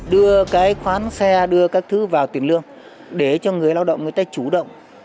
đưa cái khoán xe đưa các thứ vào tiền lương để cho người lao động người ta chủ động